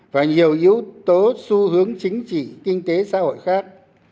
và nhiều yếu tố xu hướng chính trị kinh tế xã hội khác